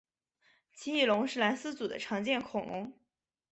奇异龙是兰斯组的常见恐龙。